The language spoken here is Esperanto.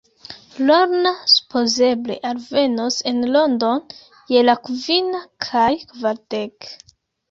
Lorna supozeble alvenos en Londono je la kvina kaj kvardek.